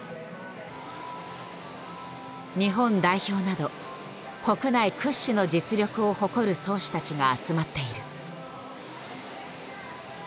日本代表など国内屈指の実力を誇る漕手たちが集まっている。